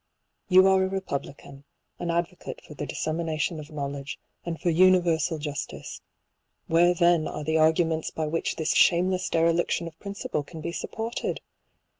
You are a republican, an advocate for the dissemination of knowledge, and for universal justice, — where then are the arguments by which this shameless dereliction of principle can be supported